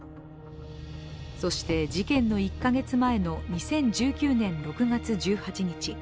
そして、事件の１か月前の２０１９年６月１８日。